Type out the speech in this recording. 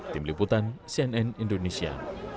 tim liputan cnn indonesia